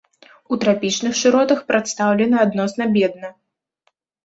У трапічных шыротах прадстаўлены адносна бедна.